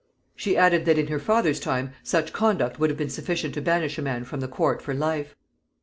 She added, that in her father's time such conduct would have been sufficient to banish a man the court for life.